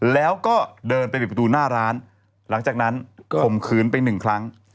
แล้วก็เดินไปปิดประตูหน้าร้านหลังจากนั้นข่มขืนไปหนึ่งครั้ง